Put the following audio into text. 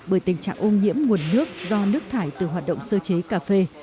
bởi tình trạng ô nhiễm nguồn nước do nước thải từ hoạt động sơ chế cà phê